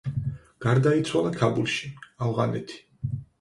გარდაიცვალა ქაბულში, ავღანეთი.